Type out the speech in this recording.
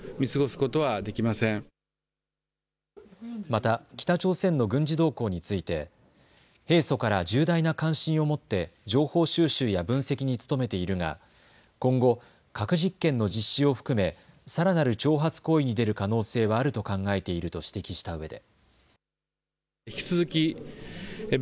また北朝鮮の軍事動向について平素から重大な関心を持って情報収集や分析に努めているが今後、核実験の実施を含めさらなる挑発行為に出る可能性はあると考えていると指摘したうえで。